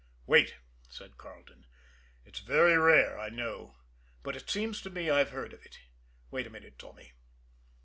"Wait!" said Carleton. "It's very rare, I know, but it seems to me I've heard of it. Wait a minute, Tommy."